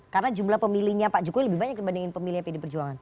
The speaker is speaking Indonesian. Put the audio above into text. karena jumlah pemilihnya pak jokowi lebih banyak dibandingin pemilih pd perjuangan